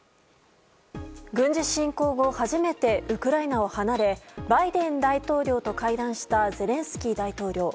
軍事侵攻後初めてウクライナを離れバイデン大統領と会談したゼレンスキー大統領。